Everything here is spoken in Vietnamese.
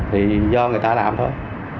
thì do người ta làm thôi